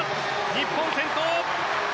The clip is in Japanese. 日本、先頭。